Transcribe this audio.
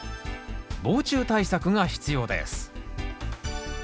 防虫対策が必要です。